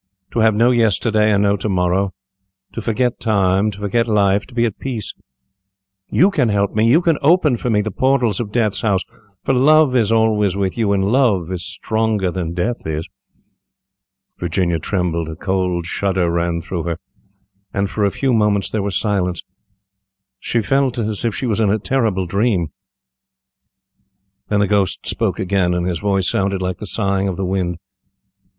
To have no yesterday, and no to morrow. To forget time, to forget life, to be at peace. You can help me. You can open for me the portals of death's house, for love is always with you, and love is stronger than death is." Virginia trembled, a cold shudder ran through her, and for a few moments there was silence. She felt as if she was in a terrible dream. Then the ghost spoke again, and his voice sounded like the sighing of the wind.